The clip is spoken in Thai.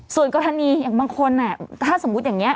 ส่วนกรณีอย่างบางคนถ้าสมมุติอย่างนี้